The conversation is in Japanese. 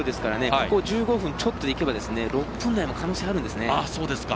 ここ１５分ちょっとで行けば６分台も可能性あるんです。